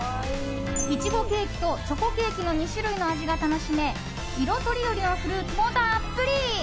イチゴケーキとチョコケーキの２種類の味が楽しめ色とりどりのフルーツもたっぷり。